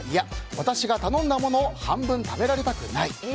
私が頼んだものを半分食べられたくない。